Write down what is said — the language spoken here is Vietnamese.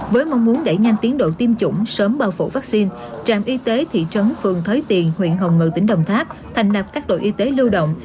với mong muốn đẩy nhanh tiến độ tiêm chủng sớm bao phủ vaccine trạm y tế thị trấn phường thới tiền huyện hồng ngự tỉnh đồng tháp thành nạp các đội y tế lưu động